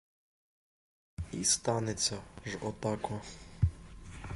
І станеться ж отак-о!